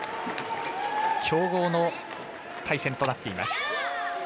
強豪の対戦となっています。